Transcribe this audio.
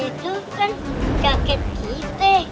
itu kan kakek gite